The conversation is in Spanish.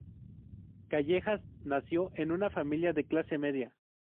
Callejas nació en una familia de clase media.